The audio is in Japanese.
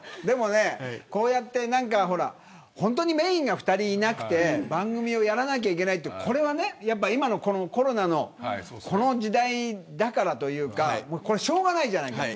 でもね、こうやってメーンが２人いなくて番組をやらなきゃいけないって今、このコロナのこの時代だからというかこれ、しょうがないじゃない。